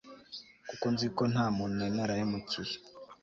kuko nziko nta muntu nari narahemukiye